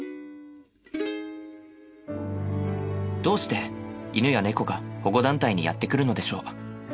どうして犬や猫が保護団体にやって来るのでしょう。